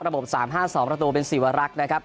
๓๕๒ประตูเป็นสีวรักษ์นะครับ